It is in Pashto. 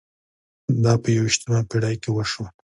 دا په یوویشتمه پېړۍ کې وشول.